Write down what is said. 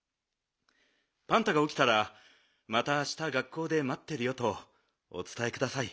パンタがおきたらまたあした学校でまってるよとおつたえください。